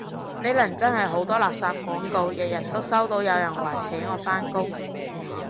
呢輪真係好多垃圾廣告，日日都收到有人話請我返工